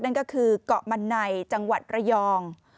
นั่นก็คือเกาะมันในจังหวัดระยอง